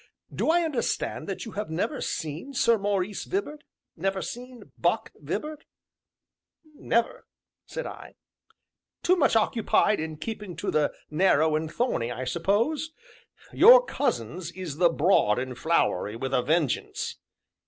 "Do I understand that you have never seen Sir Maurice Vibart, never seen 'Buck' Vibart?" "Never!" said I. "Too much occupied in keeping to the Narrow and Thorny, I suppose? Your cousin's is the Broad and Flowery, with a vengeance."